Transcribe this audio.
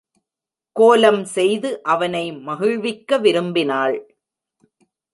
கோலம் செய்து அவனை மகிழ்விக்க விரும்பினாள்.